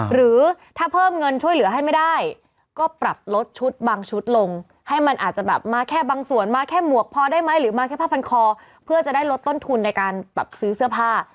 หรือถ้าเพิ่มเงินช่วยเหลือให้ไม่ได้ก็ปรับลดชุดบางชุดลงให้มันอาจจะแบบมาแค่บางส่วนมาแค่หมวกพอได้ไหมหรือมาแค่ผ้าพันคอเพื่อจะได้ลดต้นทุนในการปรับซื้อเสื้อผ้า